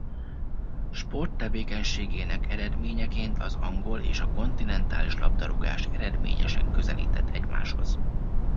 Sporttevékenységének eredményeként az angol és a kontinentális labdarúgás eredményesen közelített egymáshoz.